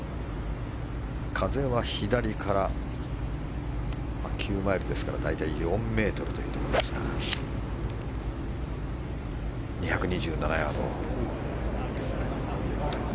風は左から９マイルですから大体４ｍというところですが２２７ヤード。